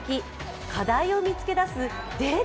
課題を見つけ出すデータ